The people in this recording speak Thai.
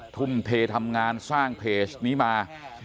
ทุ่มเททำงานสร้างเพจนี้มา